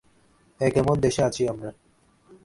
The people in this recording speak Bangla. এ কেমন দেশে আছি আমরা?